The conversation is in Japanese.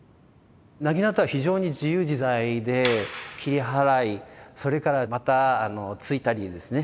薙刀は非常に自由自在で切り払いそれからまたあの突いたりですね